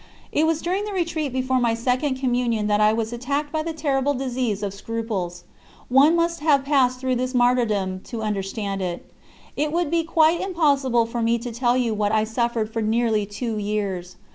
It was during the retreat before my second Communion that I was attacked by the terrible disease of scruples. One must have passed through this martyrdom to understand it. It would be quite impossible for me to tell you what I suffered for nearly two years.